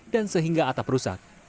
dan sehingga atap rusak